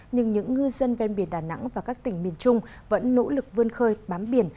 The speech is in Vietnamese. nhưng những ngư dân ven biển đà nẵng và các tỉnh miền trung vẫn nỗ lực vươn khơi bám biển